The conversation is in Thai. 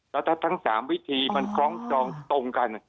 แล้วถ้าทั้ง๓วิธีมันคล้องจองตรงกัน